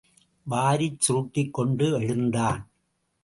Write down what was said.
வாரிச் சுருட்டிக் கொண்டு எழுந்தான்.